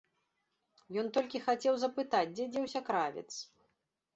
Ён толькі хацеў запытаць, дзе дзеўся кравец.